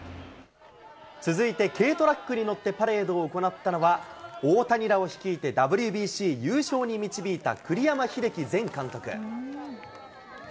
続いて軽トラックに乗ってパレードを行ったのは、大谷らを率いてＷＢＣ優勝に導いた栗山英樹前監督。